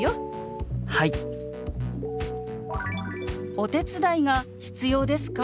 「お手伝いが必要ですか？」。